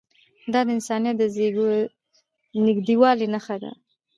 دا د انسانیت د نږدېوالي نښه ده.